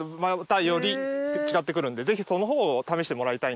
ぜひその方を試してもらいたい。